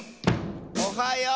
「おはよう！」